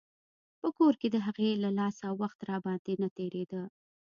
په کور کښې د هغې له لاسه وخت راباندې نه تېرېده.